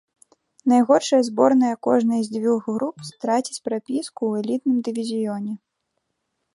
Найгоршая зборная кожнай з дзвюх груп страціць прапіску ў элітным дывізіёне.